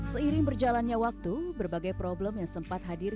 seiring berjalannya waktu berbagai problem yang sempat hadir